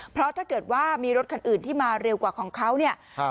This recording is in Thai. เพราะถ้าเกิดว่ามีรถคันอื่นที่มาเร็วกว่าของเขาเนี่ย